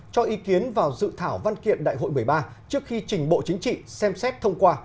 cho ý kiến vào dự thảo văn kiện đại hội một mươi ba trước khi trình bộ chính trị xem xét thông qua